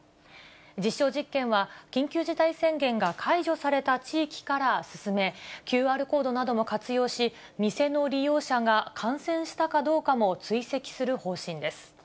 実証実験は緊急事態宣言が解除された地域から進め、ＱＲコードなども活用し、店の利用者が感染したかどうかも追跡する方針です。